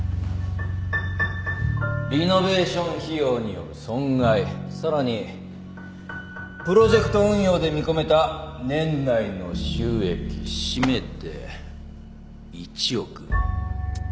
リノベーション費用による損害さらにプロジェクト運用で見込めた年内の収益締めて１億。